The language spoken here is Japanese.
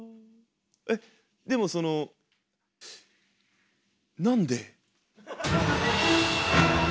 えっでもそのなんで？